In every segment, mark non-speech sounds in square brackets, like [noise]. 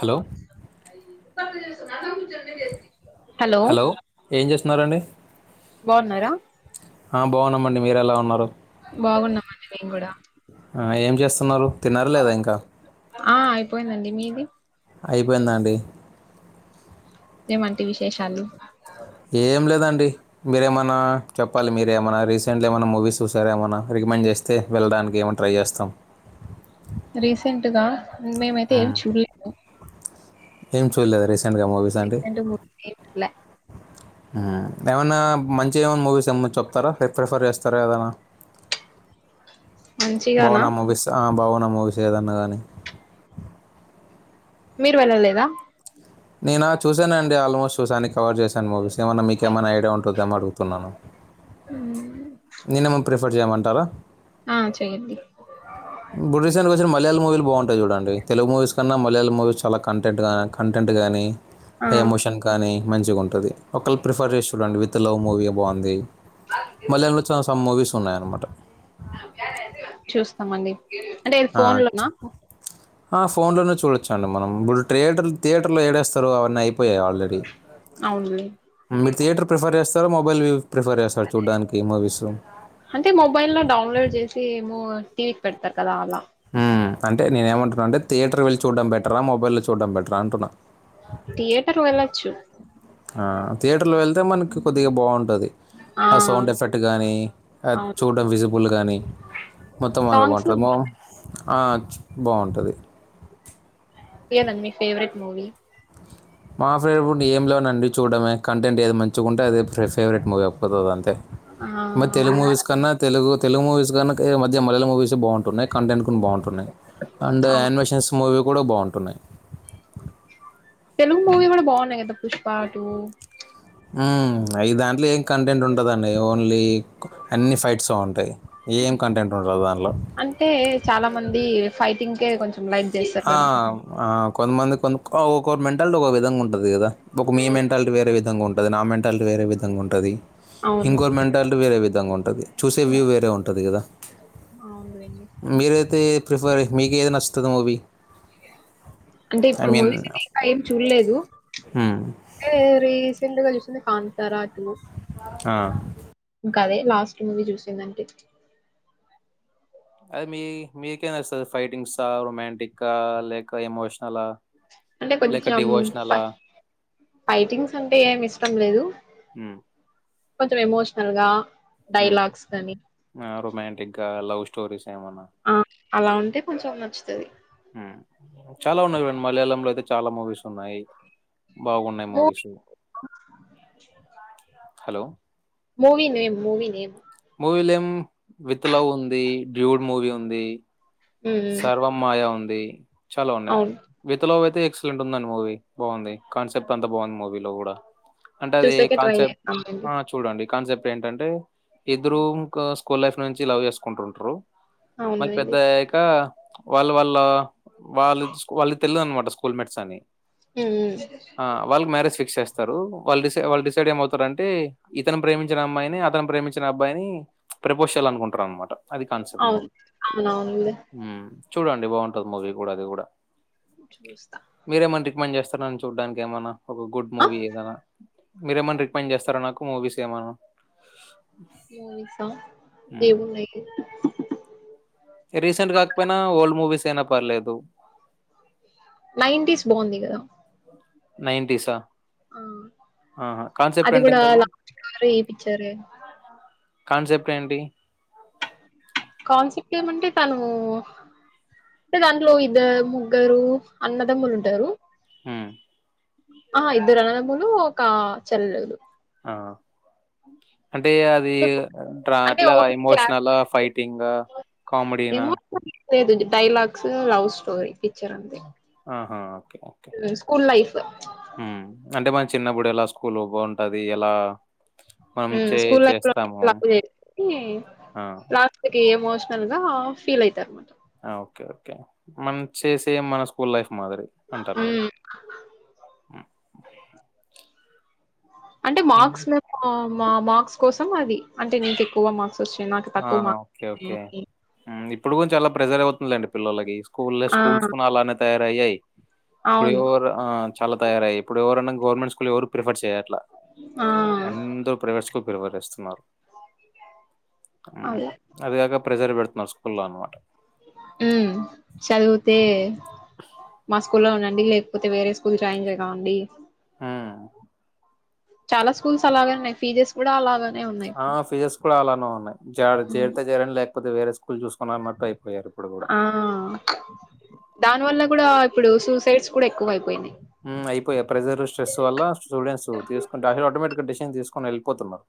Hello [unintelligible] hello ఏం చేస్తున్నారండి బాగున్నారా హ బాగున్నాంమండి మీరు ఎలా ఉన్నారు బాగున్నామండి మేము కూడా తున్నరు తిన్నారా లేదా ఇంకా ఆ అయిపోయిందండి మీది అయిపోయిందండి ఏమంటి విశేషాలు ఏం లేదండి మీరేమన్నా చెప్పాలి మీరేమనా రీసెంట్గా ఏమైన్నా మూవీస్ చూసార ఏమనా రికమెండ్ చేస్తే వెళ్ళడానికి ఏమన్నా ట్రై చేస్తాం రీసెంట్గా మేమైతే ఏం ఉమ్, చూడలేదు ఏం చూల్ లేదా రీస్ రీసెంట్ మూవీస్ [unintelligible] ఉమ్ ఏమనా మంచి చేవన్ మూవిస్ ఎ మన్నా చెప్తారా ప్రిఫర్ చేస్తారు సరే అదనా మంచిగానా బాగున్నా మూవీస్ బాగున్ ఆ మూవీస్ ఏదైనా కానీ మీరు వెళ్ళలేదా నేను చూశాన అండి ఆల్మోస్ట్ చూశాను కవర్ చేశాను మూవీస్ ఏమన్నా మీకేమైనా ఐడియా ఉంటుంద ఏమో అడుగుతున్నాను నినిమమ్ ప్రిఫర్ చేయంట తారా ఆ చెయ్యండి బ్రిటిష్షయానికి వచ్చిన మయాళ మూవీలు బాగుంటాయి చూడండి తెలుగు మూవీస్ కన్నా మలయాళ మూవీస్ చాలా కంటెంట్ కానీ కంటెంట్ కానీ ఆ హై ఎమోషన్ కానీ మంచిగా ఉంటుంది ఒకళ్ళు ప్రిఫర్ చేసి చూడండి విత్ లవ్ మూవీ బాగుంది మళయాళంలో చూడండి సమ్ మూవీస్ ఉన్నాయి అన్నమాట చూస్తామండి అంటే ఏది ఆ, ఫోన్ లోనా చ- ఫోన్లోనే చూడొచ్చు అండి మనం ఇప్పుడు థియేటర్ థియేటర్లో ఏడేస్తారు అవన్నీ అయిపోయాయి ఆల్రెడీ అవునులే మీరు థియేటర్ ప్రిఫర్ చేస్త స్తారా మొబైల్ యూజ్ అంటే మొబైల్ లో డౌన్లోడ్ చేసి ఏమో టీవి కి పెడుతారు కదా అలా ఆమ్ అంటే నేనేమంటన్నా అంటేథయటర్ వెళ్లి చూడం బెటరా మొబైల్ లో చూడడం బటర్ ఆ అంటున్నా థియేటర్ వెళ్ళొచ్చు ఆ థియేటర్లో వెళ్తే మనకి కొద్దిగా బాగుంటది ఆ సౌండ్ ఎఫెక్ట్ కానీ అవును చూడడం విజిబుల్ కానీ మొత్తం అంతా సాంగ్స్ బాగుంటుంది మో బాగున్నాయి. ఆ బాగుంటది ఇదే నా మీ ఫేవరెట్ మూవీ మా ఫేవరెట్ ఏం లోనండి చూడమే కంటెంట్ ఏది మంచిగా ఉంటే అదే ఫేవరెట్ మూవీ అయిపోతది అంతే ఆ మ తెలుగు అవును మూవీస్ కన్నా తెలుగు తెలుగు మూవీస్ కన్నా ఈ మద్య మలయాళం మూవీస్ బాంటన్నాయి కంటెంట్ బాగుంటున్నాయి అండ్ అవును ఆనిమేషన్స్ మూవీ కూడా బాగుంటున్నాయి. తెలుగు మూవీ కూడ బాగున్నాయి కదా పుష్పా టూ ఆమ్ అవి దాంట్లో ఏం కంటెంట్ ఉంటదండి ఓన్లీ అన్నీ ఫైట్స్ ఒ ఉంటాయి ఏం కంటెంట్ ఉండదు దాన్లో. గే కొంచ్ ఆ ఆ కొంతమంది కొన్ని ఆ ఒకొకరి మెంటాలిటీ ఒక విధంగ ఉంటది గదా ఒక మీ మెంటాలిటీ వేరే విధంగా ఉం అదే నా మెంటాలిటీ వేరే విధంగ ఉంటదీ. అవును ఇంకొరి మెంటాలిటీ వేరే విద్ ధంగ ఉం టది చూసే వ్యూ వేరే ఉంటది కదా. అవునులేండి మీరైతే ప్రిఫర్ మీకు ఏది నచ్చు తది మూవీ అంటే ఇప్పుడు మూవీస్ ఐతే ఇంకా ఏం చూడ్లేదు హ్మ రీసెంట్ గా చూసింది కాంతారా టూ ఆ అదే లాస్ట్ మూవీ చూసిందంటే అదే మీ మీకేం నచ్చుతాది ఫైటింగ్సా, రొమాంటిక్కా లేక ఎమోషనలా అంటే లేక కొంచెం ఫై డివోషనలా? ఫైటింగ్స్ అంటే ఏమి ఇష్టం లేదు హ్మ్. కొంచెం ఎమోషనల్ గా హ్మ డైలాగ్స్ కానీ రొమాంటిక్గా లవ్ స్ స్టోరీస్ ఏమాన్నా ఆ అలా ఉంటే కొంచెం నచ్చుతది హ్మ చాలా ఉన్నాయి చూడండి మలయాళంలో అయితే చాలా మూవీస్ ఉన్నాయి బాగున్నాయి movie movies hello movie name movie name movie name with love ఉందీ డ్యూడ్ మూవీ ఉందీ సర్వం మాయా ఉందీ చాలా ఉన్నాయి అవును విత లవ్ అయితే ఎక్సలెంట్ ఉందడి మూవీ బాగుంది కాన్సెప్ట్ అంతా బాగుంది మూవీలో కూడా అంటే అదీ చూసాకే ట్రై కాన్సెప్ట్ చేస్తాంలేండి ఆ చూడండి కాన్సెప్ట్ ఏంటంటే ఇద్దరు ఇంకాస్ స్కూల్ లైఫ్ నుంచి లవ్ చేసుకుంటుంటారు మరి అవునులేండి పెద్దయ్యాక వాళ్ళ వాళ్ళ వాళ్ళు వాళ్ళు తెలియదునమాట స్కూల్ మేట్స్ అని ఉమ్ ఆ వాళ్ళ కు మ్యారేజ్ పిక్స్ స్తారు వాళ్ళు డిసై వాళ్ళు డిసైడ్ ఏమవుతారంటే ఇతను ప్రేమించిన అమ్మాయిని అతను ప్రేమించిన అబ్బాయిని ప్రపోషల్ అనుకుంటారు అనమాట అవును అవున అవునులే హ్మ్. చూడండి బాగుంటది మూవి కూడా అది కూడా చూస్తా పని చేస్తారని చూడానికి ఏమన్నా ఒక గుడ్ ఆ మూవీ ఏదనా మీరేమన్నా రికమెండ్ చేస్తారా నాకు మూవీస్ ఏమన్నా మూవిస్ ఆ హ్మ్. ఏమున్నాయి రీసెంట్ కాకపోయినా ఓల్డ్ మూవీస్ అయినా పర్లేదు నైన్ంటీస్ బాగుంది కదా. నైన్టీస్ ఆ కాన్సెప్ట్ అది కూడా ఎంటంటది. లాస్ట్ లో ఏపిచ్చారే కాన్సెప్ట్ ఏంటి. కాన్సెప్ట్ ఏమంటే తను అంటే దాంట్లో ఇద్ద ముగ్గురు అన్నదమ్ములు ఉంటారు. ఉం ఆహా ఇద్దరు అన్నదములు ఒక చెల్ల. ఆ అంటే అది అంటే అంటే అట్లా ఓన్లీ క్లాస్ ఎమోషనల, ఫైటింగ్ ఆ కామెడీనా. ఏమో లేదు ఇది డైలాగ్స్ లవ్ స్టోరీ. పిక్చర్ అంతే, ఆ స్కూల్ లైఫ్ హ్మ్. అంటే మనం చిన్నప్పుడు ఎలా స్కూల్ బాగుంటది ఎలా మనం చే స్కూల్ లైఫ్ లో చేస్తాము. ఆ! లాస్ట్ కి మల్ గా ఫీల్ అయితరు. ఓకే ఓకే మన చేసేం మన స్కూల్. మాదిరి అంటరు. ఉమ్ అంటే మార్క్స్ మేము మా మార్క్స్ కోసం అది అంటే నీకు ఎక్కువ మార్క్స్ వచ్చాయి నాకు ఆ తక్కువ మార్క్స్ ఓకే ఓకే వచ్చాయని. ఇప్పుడు కూడా కోన్ ప్రెజర్ అవుతుంది లెండి పిల్లకి. స్కూల్ లో ఆ స్కూల్స్ కూడా అలానే తయారయ్యాయి. ఇప్పుడు అవును ఎవరు చాలా తయారయ్యాయి. ఇప్పుడు ఎవరన్నా, గవర్నమెంట్ స్కూల్ ఎవరు ప్రిఫర్ చేయరు. ఆ అందరూ ప్రవే ఎవరు వేస్తున్నారు. అలా అదిగకా ప్రెజర్. మా స్కూల్లల్ల. ఉమ్ చదివితే మా స్కూల్లో లో ఉండండి లేకపోతే వేరే స్కూల్ జాయిన్ చేయ కావండి. హ్మ్. చాలా స్కూల్స్ అలాగేన్నాయి. ఫీజెస్ కూడా అలాగ ఆ ఫిజెస్ కూడా అలానే ఉన్నాయి. హ్మ్. చేరితే జెరండి లేక పోతే వేరే స్కూల్ చూసుకోవాలన్నట్టు. ఆ దాని వల్ల కూడా ఇప్పుడు సూసైడ్స్. ఎక్కువ అయిపోయినాయి అయిపోయా ప్రెజర్ స్ట్రెస్ వల్ల స్టూడెంట్స్ తీసుకుొ అలు ఆటోమేటిక్ గా డిషన్ తీసుకొని ఎళ్ళిపో పోతున్నారు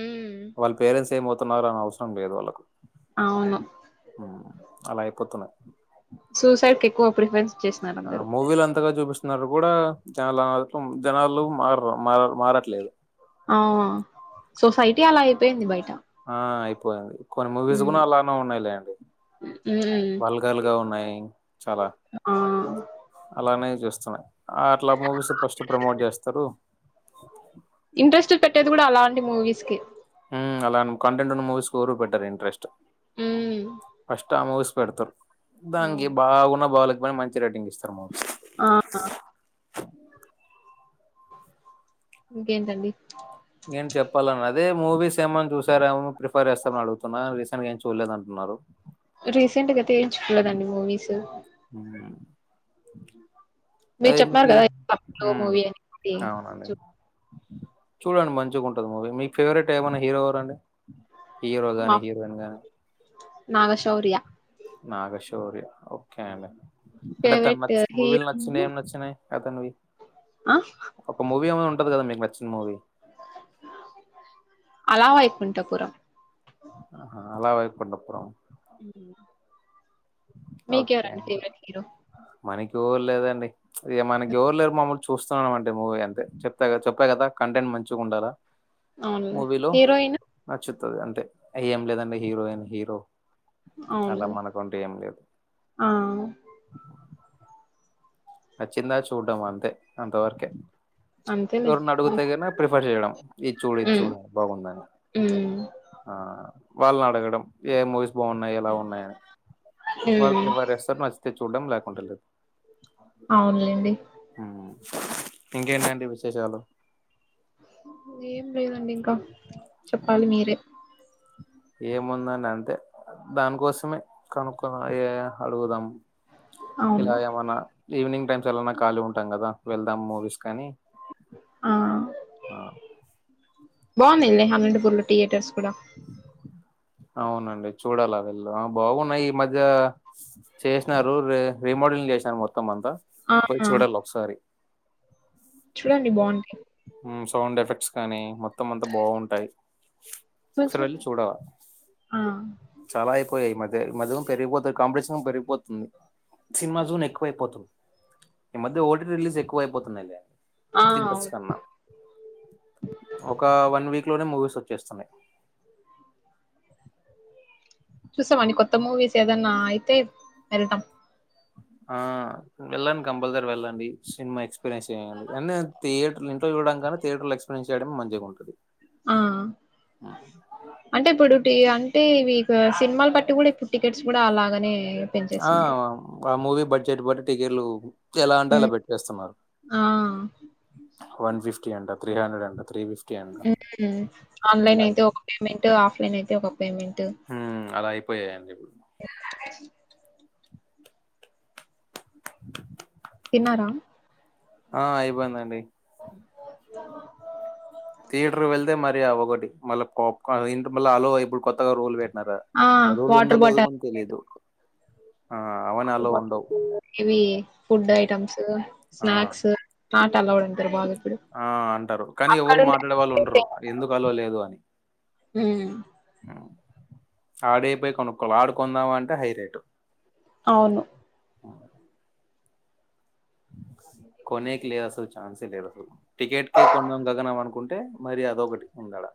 ఉమ్ వాళ్ళ పేరెట్స్ ఏమో న్నారు అని అవసరం లేదు వాళ్ళలకు అవును అలా అయ్యిపోతున్నాయి సూసైడ్ కి ఎక్కువ పెర్ఫర్ మూవీలు అంతగా చూపిస్తా కూడా జనాఅహల్పం జనాలు మారరు మారు మారట్లలేదు ఆ సొసైటీ అలా అయిపోయింది బయట ఆ అయిపోయి కొన్ని మూవీస్ ఉమ్ కూడా అలానే ఉన్నాయిలేండి ఉమ్ వల్గాల్గా ఉన్నాయి చాలా ఆ అలానే చేస్తున్నాయి అట్లా మూవీస్ ఫస్ట్ ప్రమోట్ చేస్తారు ఇంట్రెస్ట్ పెట్టేది కూడా అలాంటి మూవీస్ కి అలా కంటెంట్ ఉన్న మూవీస్ కి ఎవరు పెట్టారు ఇంట్రెస్ట్ ఉమ్ అస్తమావాస్ పెడుతారు దాంగ అవును బాగున్న బాాల మంచి రేటింగ్ ఇస్తారు మూవీస్ ఆ ఇంకేంటండి నేను చెప్పాలన్న అది అదే మూవీస్ ఏమన్నా చూసార ఏమో ప్రిఫర్ చేస్తామని అడుగుతున్నా రీసెంట్గా ఏం చూడలేదు అంటున్నారు రీసెంట్ గా వేయించుకోలేదా అండి మూవీస్ అ మీరు చెప్పినారు ఎనికి కదా అప్పట్లో మూవీ అనేది అవునండి చూ చూడండి మంచిగా ఉంటుంది మూవీ మీకు ఫేవరెట్ ఏమైనా హీరో ఎవరండి హీరో మా గాని హీరోయిన్ గాని నాగశౌర్య నాగష్ రీ ఓకే అండి ఫెవరెట్ హీరో వచ్చిన ఏం నచ్చినాయి అతను ఆ మూవి ఏమన్నా ఉంటంది కదా మీకు నచ్చిన మూవీ అలా వైకుంఠపురం ఆహా అలా వైకుంఠపురం, ఉ మీకు ఓకే ఎవరండీ అండి ఫేవరెట్ హీరో మనకి ఎవరు లేరండి మనకి ఎవరు లేరు మమ్మలు చూస్తున్నాన, అండి మూవీ అంతే చెప్తా చెప్పా కదా కంటెంట్ మంచిగా ఉండాలా, అవును హీరోయిన్ అంటే ఏం లేదండి హీరోయిన్, హీరో అలా అవునులే మనకుం లేదు ఆ నచ్చిందా చూడమా అంతే అంత వరకే అంతేలే ఎవరిని అడుగితే కనా ప్రిఫెర్ చేయడం, ఈది చూడు ఈది ఉమ్ చూడు బాగుందని ఉమ్ ఆ వాళ్ళుని అడగడం ఏ మూవీస్ బాగున్నా, ఎలా ఉన్నాయి. వాళ్ళు ఉమ్ ప్రిఫెర్ చేస్తారు, నచ్చితే చూడం లేకతే అంతే లే అవునులేండి ఇంకేంటండి విశేషాలు, ఏం లేదండి, ఇంకా చెప్పాలి మీరే ఏముందండి అంతే దానికోసమే కనక్కో అడుగుదాం, అవును ఇలా ఏమన్నా, ఈవినింగ్ టైమ్స్ ఎలాన్నా ఖాళీ ఉంటాం కదా, వెళ్దాం మూవీస్ కానీ ఆ బాగున్నాయా ఇడా హమంతపూర్లో, థియేటర్స్ కూడా అవునండి చూడాలా వెళ్ళు బాగున్నాయి. ఈ మధ్య చేసినారు రి రీమోడలింగ్ చేసినారు మొత్తం, మొత్తం అంతా ఆ పోయి చూడాలి ఒకసారి, చూడండి బాగుంటాయి. సౌండ్ ఎఫెక్ట్స్ కానీ మొత్తం మొత్తం అంతా బాగుంటాయి, చూ ఒకసారి చూ వెళ్ళి చూడవా ఆ చాలా అయిపోయాయి మధ్య మధ్యం పెరిగిపోతుంది కాంపిస్ మొత్తం పెరిగిపోతుంది. సినిమా జున్ ఎక్కువైపోతుంది. ఈ మధ్య ఓటీ రిలీజ్ ఎక్కు ఎక్కువైపోతున్నాయి, ఆ గాథెటర్ అవును కన్నా ఒక వన్ వీక్ లో మూవీస్ వచ్చేస్తున్నాయి. చూసావా అండీ కొత్త మూవీస్ ఏదన్నా అయితే వెళ్తాం, ఆ వెళ్ళండి. కంపల్సరీ వెళ్ళండి. సినిమా ఎక్స్. [unintelligible] థియేటర్ ఇంట్లో చూడటం కన్నా, థియేటర్లో ఎక్స్పీరియన్స్ చేయడం మంచిగా ఉంటది. ఆ ఆ [unintelligible] అంటే, ఇప్పుడు అంటే ఇవి సినిమాాల బట్టి కూడా ఇప్పుడు టికెట్స్ కూడా అలాగనే. ఆ పెంచేస్తున్నారు ఆ మూవీ బట్టి. స్టేట్ బట్టిటికెట్లు. ఎలా అంట అలా ఉమ్ పెట్టేస్తున్నారు. ఆ వన్ ఫిఫ్టీ అంట. త్రిహండ్రెడ్ అండ్ హ్మ్ అలా ఆన్లైన్ అయితే అయిపోయి ఒక పేమెంట్, ఆఫ్లైన్ అయితే ఒక పేమెంట్. హ్మ్ అలా అయిపోయాయండి ఇప్పుడు తిన్నారా? ఆ అయిపోయిందండి. [unintelligible] థియేటర్కి వెళ్తే మరీ ఆ ఒకటి, మళ్ళా పాప్ కార్న్... ఇంత మళ్ళా అలవ్ ఇప్పుడు కొత్తగా రూల్ పెట్. న్నర ఆ! అ రూల్ ఉందో వాటర్ లేదో బాటిల్ కూడా తెలీదు. ఆ అవని అలో ఉండవు [unintelligible] ఇవి ఫుడ్ ఐటమ్స్, ఆ స్నాక్స్. ఆట అలావడంటారు వారు. ఆ అంటారు కానీ, ఎవరు మాట్లాడే వాళ్ళు ఉండరు? ఎందుకు అలవ్ లేదు అని. హ్మ్. ఆడైపోయి కొనుక్కోల ఆడుకుందాం అంటే హై రేటు. అవును! ఆ కొనేక లేదు అసలు ఛాన్సే లేదు, అసలు టికెట్కే కొండం గగనం అనుకుంటే మరీ అదొకటి ఉందాడా?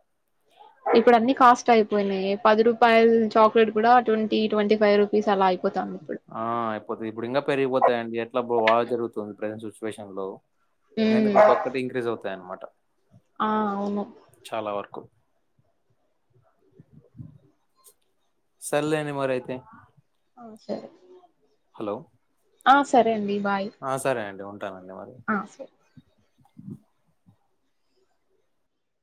ఇప్పుడు అన్ని కాస్ట్ అయిపోయినాయి. పది రూపాయలు చాక్లెట్ కూడా ట్వంటీ ట్వంటీ ఫైవ్ రూపీస్ అలా అయి.. ఆ! అయిపోతుంది ఇప్పుడు ఇంకా పెరిగిపోతాయిండి. ఎట్లాబ్బ వా జరుగుతుంది ప్రజెంట్ సిచ్యువేషన్ లో. నేను హ్మ్. ఇప్పుడు దొక్కటి ఇంక్రీజ్ అవుతాయి అన్నమాట. ఆ అవును. వరకు సర్లేండి మరైతే. ఆ సరే. హలో! ఆ సరే అండి. బాయ్. ఆ సరే అండి ఉంటానండి. మరి. ఆ! సరే.